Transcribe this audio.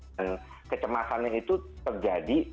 dan kecemasannya itu terjadi